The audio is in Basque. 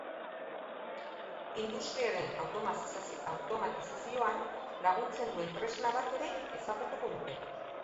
Industriaren automatizazioan laguntzen duen tresna bat ere ezagutuko dute.